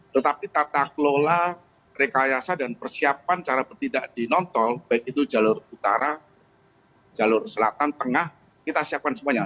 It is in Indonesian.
tetapi tata kelola rekayasa dan persiapan cara bertindak di non tol baik itu jalur utara jalur selatan tengah kita siapkan semuanya